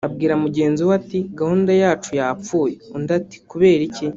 abwira mugenzi we ati “Gahunda yacu yapfuye ” Undi ati “kubera iki